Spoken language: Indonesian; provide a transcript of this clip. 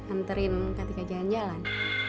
anterin kak tika jalan jalan